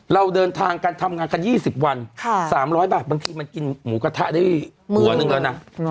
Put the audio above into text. เราเดินทางกันทำงานกัน๒๐วัน๓๐๐บาทบางทีมันกินหมูกระทะได้หัวนึงแล้วนะ